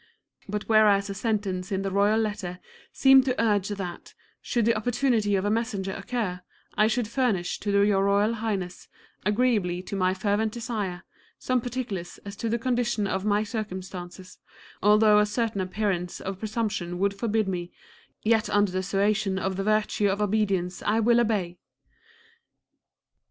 But whereas a sentence in the royal letter seemed to urge that, should the opportunity of a messenger occur, I should furnish to your Royal Highness, agreeably to my fervent desire, some particulars as to the condition of my circumstances, although a certain appearance of presumption would forbid me, yet under the suasion of the virtue of obedience I will obey.